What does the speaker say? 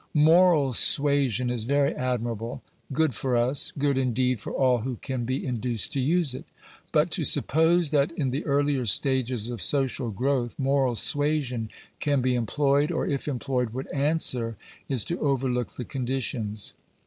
Moral suasion is very admirable ; good for us ; good, indeed, for all who can be induced to use it. But to suppose that, in the earlier stages of social growth, moral suasion can be employed, or, if employed, would answer, is to overlook the conditions.